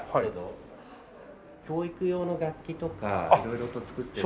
教育用の楽器とか色々と作って。